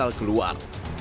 lalu bantal keluar